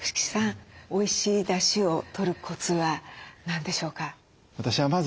おいしいだしをとるコツは何でしょうか？